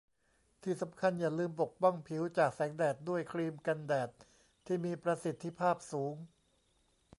ที่สำคัญอย่าลืมปกป้องผิวจากแสงแดดด้วยครีมกันแดดที่มีประสิทธิภาพสูง